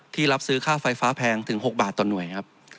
รับซื้อค่าไฟฟ้าแพงถึง๖บาทต่อหน่วยครับ